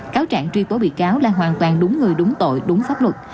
cáo trạng truy tố bị cáo là hoàn toàn đúng người đúng tội đúng pháp luật